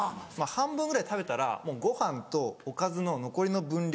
半分ぐらい食べたらもうご飯とおかずの残りの分量